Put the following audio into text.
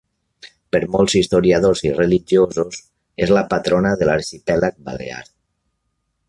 Per molts historiadors i religiosos, és la patrona de l'arxipèlag Balear.